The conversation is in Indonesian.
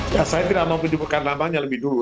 saya tidak mau berdibukkan nama nama yang lebih dulu